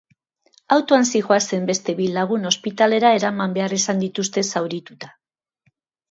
Autoan zihoazen beste bi lagun ospitalera eraman behar izan dituzte zaurituta.